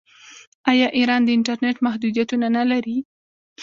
آیا ایران د انټرنیټ محدودیتونه نلري؟